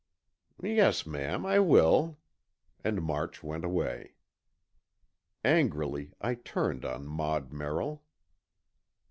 "Yes, ma'am, I will," and March went away. Angrily, I turned on Maud Merrill.